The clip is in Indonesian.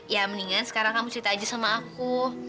ya mendingan sekarang kamu cerita aja sama aku